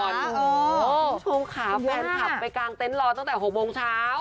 ชมชมขาวแฟนคลับไปกางเต็นต์รอตั้งแต่๖โมงเช้า